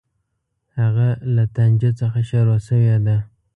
هغه له طنجه څخه شروع شوې ده.